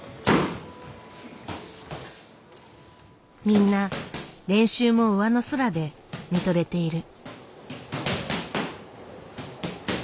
みんな練習もうわの空で見とれている。